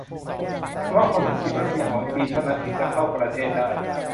เฉพาะคนที่ฉีดวัคซีนของจีนเท่านั้นถึงจะเข้าประเทศได้